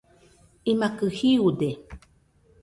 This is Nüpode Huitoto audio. imakɨ jiude